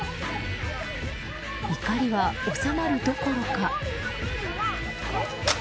怒りは収まるどころか。